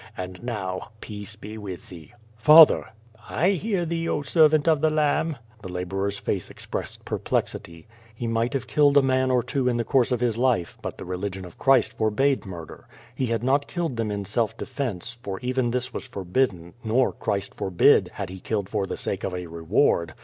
And now, peace be with thee!*' "Fatherr "I hear thee. Oh, servant of theXiamb.*' The laborer's face expressed perplexity. He might have killed a man or two in the course of his life, but the religion of Christ forbade mur der. He had not killed them in self defence, for even this was forbidden, nor, Christ forbid! had he killed for sake of a reward.